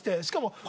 しかも。